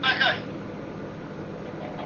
ايا ته ليکل کوې؟